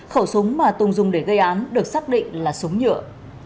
khẩu súng mà tùng dùng để gây án được xác định là súng nhựa